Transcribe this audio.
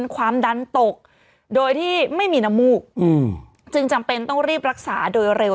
ความดันตกโดยที่ไม่มีน้ำมูกจึงจำเป็นต้องรีบรักษาโดยเร็ว